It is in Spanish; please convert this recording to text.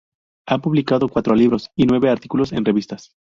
Ha publicado cuatro libros y nueve artículos en revistas.